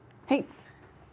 はい。